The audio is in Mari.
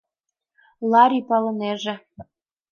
— Лари палынеже.